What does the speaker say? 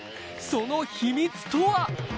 その秘密とは。